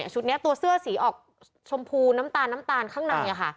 ชุดนี้ตัวเสื้อสีออกชมพูน้ำตาลข้างใน